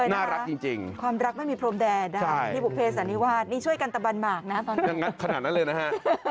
น่ารักทั้งคู่เลยนะ